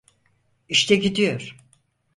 İşte gidiyor.